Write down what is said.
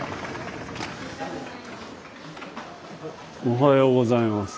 おはようございます。